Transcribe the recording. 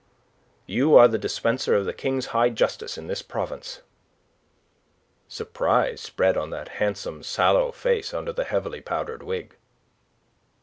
"You are the dispenser of the King's high justice in this province." Surprise spread on that handsome, sallow face under the heavily powdered wig.